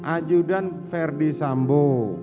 ajudan ferdi sambo